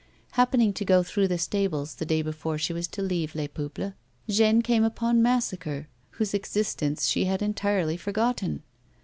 Happening to go through the stables the day before she was to leave Les Peuples, Jeanne came iipon Massacre, whose existence she had entirely forgotten.